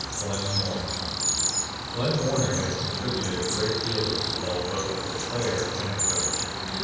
Glenn Warner Glenn Warner has contributed a great deal to football, both as a player and coach.